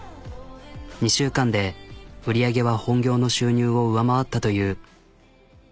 ２週間で売り上げは本業の収入を上回ったという。